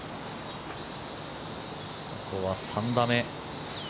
ここは３打目。